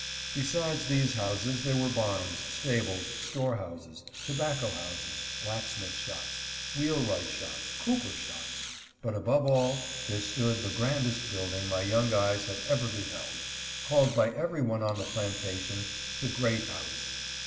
Besides these houses there were barns, stables, store houses, tobacco houses, blacksmith shops, wheelwright shops, cooper shops ; but above all there stood the grandest building my young eyes had ever beheld, called by every one on the plantation the great house.